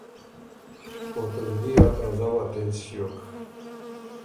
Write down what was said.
او ته زلی ا درزؤه تېز ݭیوک۔